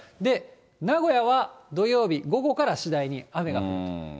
名古屋は土曜日、午後から次第に雨が降る。